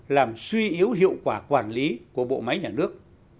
làm suy yếu hiệu quả quản lý của bộ máy nhà nước